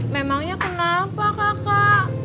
memangnya kenapa kakak